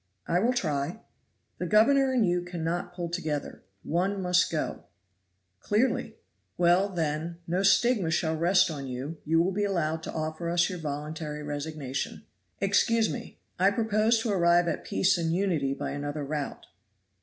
"I will try." "The governor and you cannot pull together one must go." "Clearly." "Well, then, no stigma shall rest on you you will be allowed to offer us your voluntary resignation." "Excuse me, I propose to arrive at peace and unity by another route."